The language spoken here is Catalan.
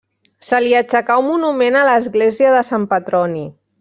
Se li aixecà un monument a l'església de Sant Petroni.